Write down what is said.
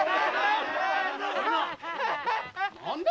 何だ？